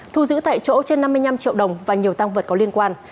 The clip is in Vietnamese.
thu giữ tại chỗ trên năm mươi năm triệu đồng và nhiều tăng vật có liên quan